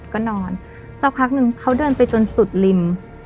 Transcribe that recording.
ก็นอนสักพักนึงเขาเดินไปจนสุดริม